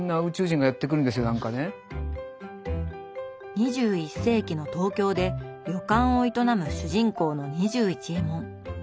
２１世紀のトウキョウで旅館を営む主人公の２１エモン。